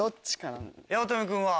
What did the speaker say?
八乙女君は？